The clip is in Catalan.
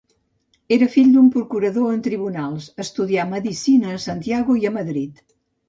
Era fill d'un procurador en tribunals, estudià medicina a Santiago i a Madrid.